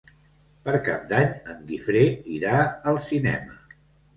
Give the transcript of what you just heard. Per Cap d'Any en Guifré irà al cinema.